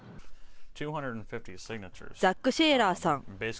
ザック・シェーラーさん。